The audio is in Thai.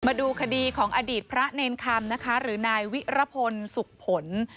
มาดูคดีของอดีตพระเนรคำนะคะหรือนายวิรพลสุขผล